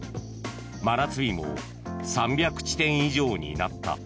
真夏日も３００地点以上になった。